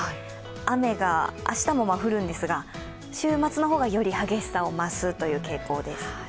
雨が明日も降るんですが、週末の方がより激しさを増す傾向です。